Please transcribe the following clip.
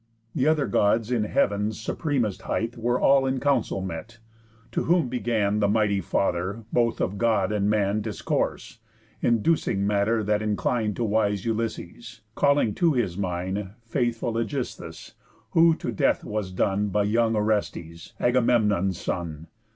The other Gods in heav'n's supremest height Were all in council met; to whom began The mighty Father both of God and man Discourse, inducing matter that inclin'd To wise Ulysses, calling to his mind Faultful Ægisthus, who to death was done By young Orestes, Agamemnon's son.